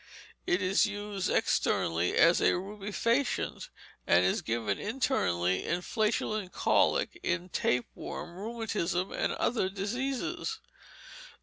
It is used externally as a rubefacient, and is given internally in flatulent colic, in tapeworm, rheumatism, and other diseases.